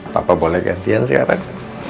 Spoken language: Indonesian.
papa boleh gantian sekarang